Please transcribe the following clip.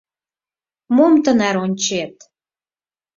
Мом тынар ончет?